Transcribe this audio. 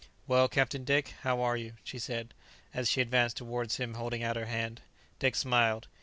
"Well, Captain Dick, how are you?" she said, as she advanced towards him holding out her hand. Dick smiled.